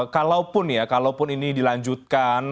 kalaupun ya kalaupun ini dilanjutkan